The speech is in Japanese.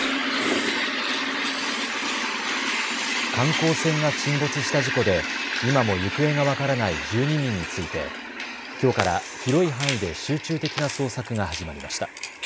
観光船が沈没した事故で今も行方が分からない１２人についてきょうから広い範囲で集中的な捜索が始まりました。